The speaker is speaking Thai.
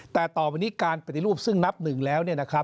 แต่ต่อไปนี้การปฏิรูปซึ่งนับหนึ่งแล้ว